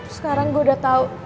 sekarang gue udah tau